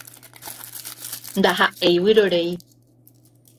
Ndaha'éi vyrorei.